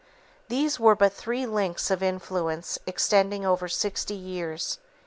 These were but three links of influence extending over sixty years.